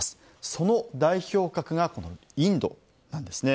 その代表格がこのインドなんですね。